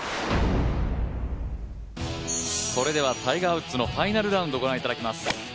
タイガー・ウッズのファイナルラウンドを御覧いただきます。